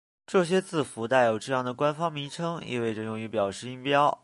这些字符带有这样的官方名称意味着用于表示音标。